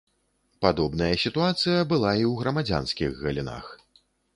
Падобная сітуацыя была і ў грамадзянскіх галінах.